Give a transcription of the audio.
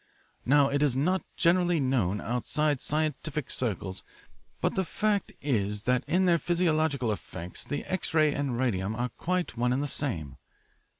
"Now, it is not generally known outside scientific circles, but the fact is that in their physiological effects the X ray and radium are quite one and the same.